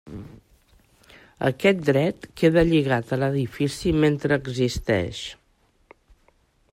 Aquest dret queda lligat a l'edifici mentre existeix.